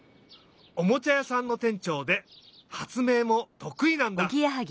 おもちゃやさんのてんちょうではつめいもとくいなんだ！